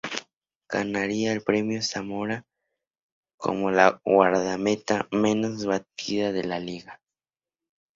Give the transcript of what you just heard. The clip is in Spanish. Ganaría el Premio Zamora como la guardameta menos batida de la liga.